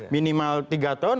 minimal tiga tahun